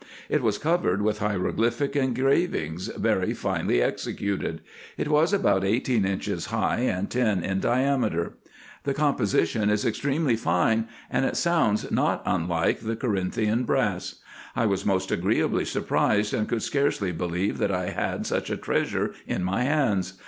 It was covered with hieroglyphic engravings, very finely executed. It was about eighteen inches high and ten in diameter. IN EGYPT, NUBIA, &c. 1G1 The composition is extremely fine, and it sounds not unlike the Co rinthian brass. I was most agreeably surprised, and covdd scarcely believe that I had such a treasure in my hands.